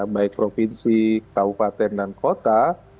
baik provinsi kabupaten dan kota